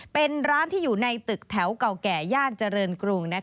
เป็นร้านที่อยู่ในตึกแถวเก่าแก่ย่านเจริญกรุง